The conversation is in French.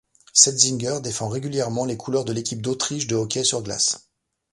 Setzinger défend régulièrement les couleurs de l'équipe d'Autriche de hockey sur glace.